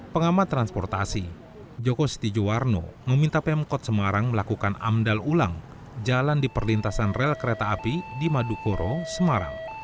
pengamat transportasi joko setijowarno meminta pemkot semarang melakukan amdal ulang jalan di perlintasan rel kereta api di madukoro semarang